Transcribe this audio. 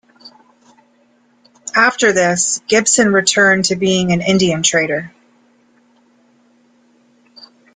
After this Gibson returned to being an Indian trader.